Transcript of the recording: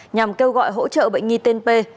nhằm kêu gọi hỗ trợ bệnh nhi tên p